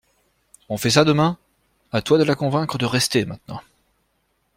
On fait ça demain? À toi de la convaincre de rester maintenant.